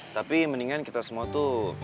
tapi mendingan kita semua tuh